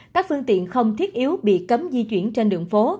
các phương tiện không thiết yếu bị cấm di chuyển trên đường phố